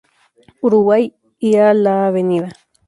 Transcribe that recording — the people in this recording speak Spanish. Uruguay y la Av.